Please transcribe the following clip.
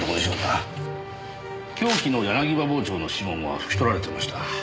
凶器の柳刃包丁の指紋はふき取られてました。